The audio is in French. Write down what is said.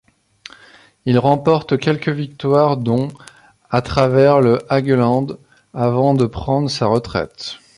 Il remporte quelques victoires dont À travers le Hageland avant de prendre sa retraite.